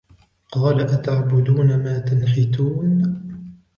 قَالَ أَتَعْبُدُونَ مَا تَنْحِتُونَ